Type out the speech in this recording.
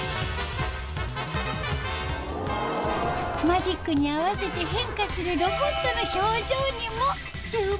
マジックに合わせて変化するロボットの表情にも注目！